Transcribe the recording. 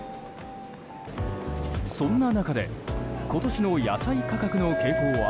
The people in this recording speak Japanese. そんな中で今年の野菜価格の傾向は？